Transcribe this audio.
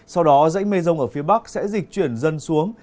sau đó dãy mây rông ở phía bắc sẽ dịch chuyển dân xuống